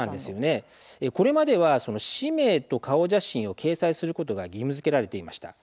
これまでは氏名と顔写真を掲載することが義務づけられていました。